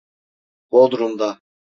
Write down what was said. Bodrumda.